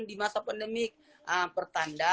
di masa pandemik pertanda